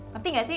ngerti gak sih